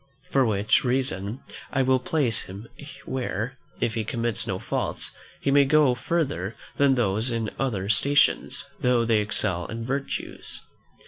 For which reason I will place him where, if he commits no faults, he may go further than those in other stations, though they excel in virtues.